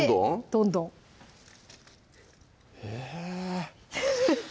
どんどんえぇ？